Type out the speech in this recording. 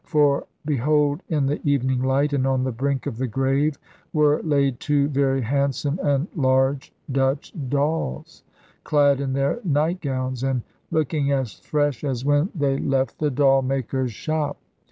For behold, in the evening light, and on the brink of the grave, were laid two very handsome and large Dutch dolls, clad in their night gowns, and looking as fresh as when they left the doll maker's shop.